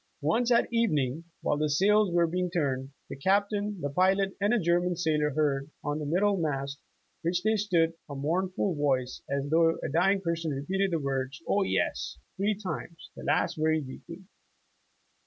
"Once at evening, while the sails w^re being turned, the Captain, the pilot, and a German sailor heard, on the middle mast under which they stood, a mournful voice, as though a dying person repeated the words, '0, yes,' three times, the last very weakly."